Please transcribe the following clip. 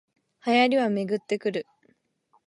流行りはめぐってくる